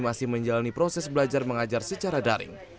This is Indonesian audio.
masih menjalani proses belajar mengajar secara daring